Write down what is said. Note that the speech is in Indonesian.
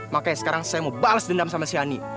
makanya sekarang saya mau bales dendam sama shani